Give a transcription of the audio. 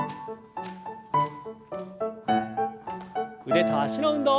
腕と脚の運動。